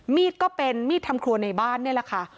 มีดก็เป็นมีดทำครัวในบ้านนี่แหละค่ะ